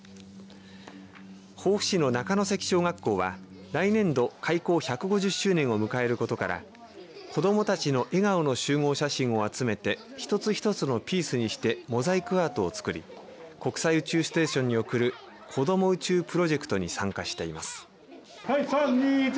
防府市の中関小学校は来年度開校１５０周年を迎えることから子どもたちの笑顔の集合写真を集めて１つ１つのピースにしてモザイクアートを作り国際宇宙ステーションに送るこども宇宙プロジェクトに参加しています。